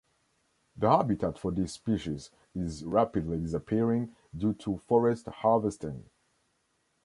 The habitat for this species is rapidly disappearing due to forest harvesting.